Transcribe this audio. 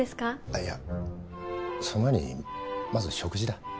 あっいやその前にまず食事だ。